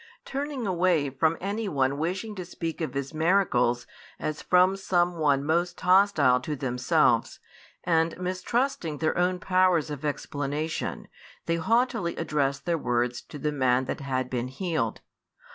Turning away from any one wishing to speak of His miracles as from some one most hostile to themselves, and mistrusting their own powers of explanation, they haughtily address their words to the man that had been healed.